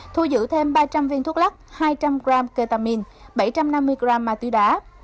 thu giữ thêm ba trăm linh viên thuốc lắc hai trăm linh g ketamin bảy trăm năm mươi gram ma túy đá